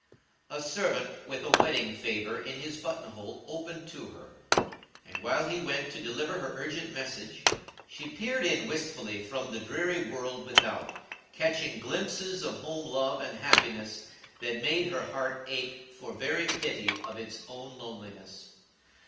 A servant with a wedding favor in his button hole opened to her, and, while he went to deliver her urgent message, she peered in wistfully from the dreary world without, catching glimpses of home love and happiness that made her heart ache for very pity of its own loneliness.